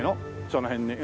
その辺に。